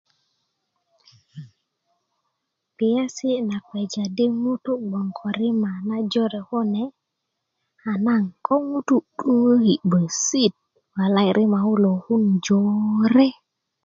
kpiyesi na kpeja di ŋutu gboŋ ko rima na jöre a naŋ ko ŋutu 'duŋöki bosit walai rima kulo wökun jööre